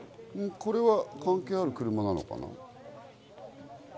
これは関係ある車なのかな？